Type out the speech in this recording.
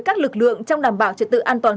các lực lượng trong đảm bảo trật tự an toàn